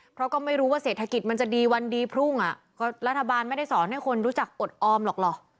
เพราะก็ไม่รู้ว่าเศรษฐกิจมันจะดีวันดีพรุ่งอ่ะก็รัฐบาลไม่ได้สอนให้คนรู้จักอดออมหรอกหรอ